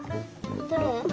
どれ？